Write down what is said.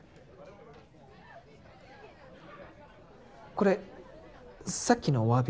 これさっきのおわび。